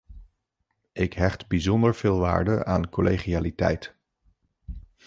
Ik hecht bijzonder veel waarde aan collegialiteit.